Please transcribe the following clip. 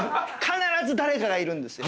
必ず誰かがいるんです。